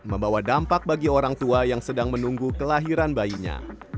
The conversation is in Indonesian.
membawa dampak bagi orang tua yang sedang menunggu kelahiran bayinya